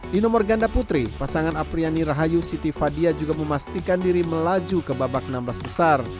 di nomor ganda putri pasangan apriani rahayu siti fadia juga memastikan diri melaju ke babak enam belas besar